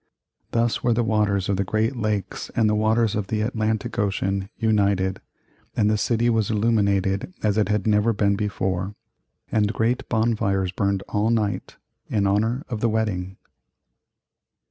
Thus were the waters of the Great Lakes and the waters of the Atlantic Ocean united, and the city was illuminated as it had never been before, and great bonfires burned all night, in honor of the wedding.